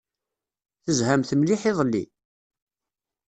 Tezhamt mliḥ iḍelli?